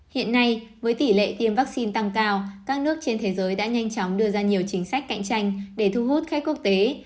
hiện nay với tỷ lệ tiêm vaccine tăng cao các nước trên thế giới đã nhanh chóng đưa ra nhiều chính sách cạnh tranh để thu hút khách quốc tế